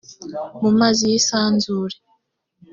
mu mazi y isanzure